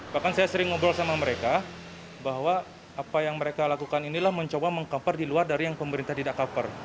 bahkan saya sering ngobrol sama mereka bahwa apa yang mereka lakukan inilah mencoba meng compar di luar dari yang pemerintah tidak cover